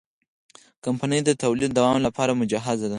کمپنۍ د تولید دوام لپاره مجهزه ده.